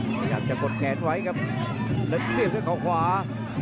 สองนายอยากจะกดแกนไว้ครับและเสียบด้วยกล่องขวา